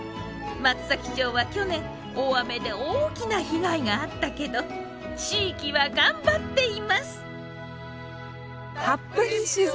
松崎町は去年大雨で大きな被害があったけど地域は頑張っています。